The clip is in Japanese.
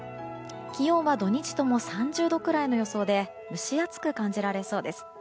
気温は土日とも３０度くらいの予想で蒸し暑く感じられそうです。